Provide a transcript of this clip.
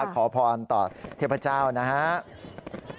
ขอพรต่อเทพเจ้านะครับ